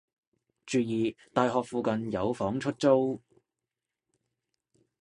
注意！大學附近有房出租